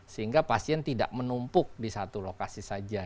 sehingga pasien tidak menumpuk di satu lokasi saja